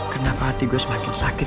kenapa hati gue semakin sakit